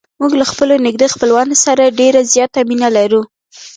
موږ له خپلو نږدې خپلوانو سره ډېره زیاته مینه لرو.